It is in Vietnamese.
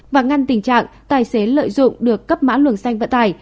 và ngăn tình trạng tài xế lợi dụng được cấp mã luồng xanh vận tải